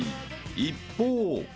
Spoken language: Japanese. ［一方］